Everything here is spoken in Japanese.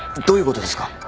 どういうことですか？